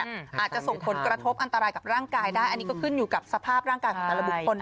อาจจะส่งผลกระทบอันตรายกับร่างกายได้อันนี้ก็ขึ้นอยู่กับสภาพร่างกายของแต่ละบุคคลนะ